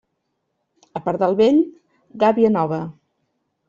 A pardal vell, gàbia nova.